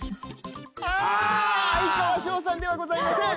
哀川翔さんではございません。